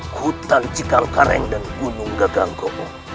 hutan cikangkareng dan gunung gaganggong